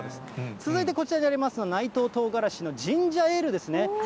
続いてこちらのありますのが、内藤とうがらしのジンジャーエールですね。